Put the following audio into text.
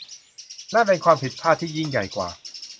นั่นเป็นความผิดพลาดที่ยิ่งใหญ่กว่า